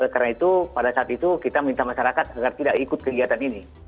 karena itu pada saat itu kita minta masyarakat agar tidak ikut kegiatan ini